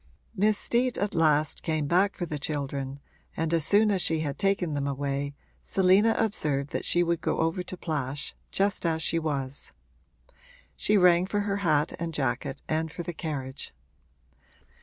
Miss Steet at last came back for the children, and as soon as she had taken them away Selina observed that she would go over to Plash just as she was: she rang for her hat and jacket and for the carriage.